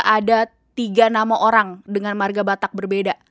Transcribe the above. ada tiga nama orang dengan marga batak berbeda